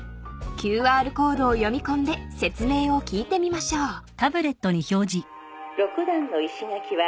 ［ＱＲコードを読み込んで説明を聞いてみましょう］は。